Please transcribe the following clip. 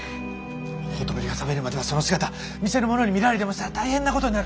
ほとぼりが冷めるまではその姿店の者に見られでもしたら大変なことになる！